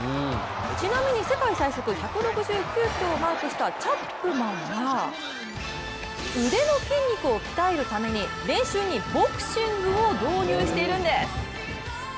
ちなみに世界最速１６９キロをマークしたチャップマンは腕の筋肉を鍛えるために練習にボクシングを導入しているんです。